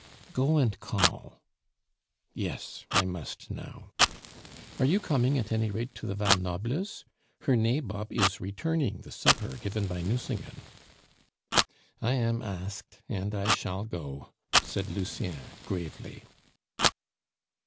"Go and call." "Yes, I must now." "Are you coming at any rate to the Val Noble's? Her nabob is returning the supper given by Nucingen." "I am asked, and I shall go," said Lucien gravely.